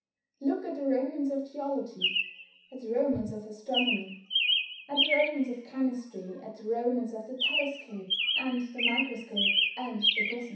Look at the romance of geology; at the romance of astronomy; at the romance of chemistry; at the romance of the telescope, and the microscope, and the prism.